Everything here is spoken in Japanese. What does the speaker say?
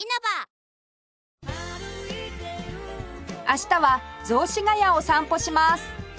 明日は雑司が谷を散歩します